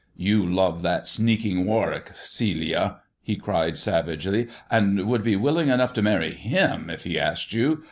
"You love that sneaking Warwick, Celia," he cried savagely, " and would be willing enough to marry him if he asked you.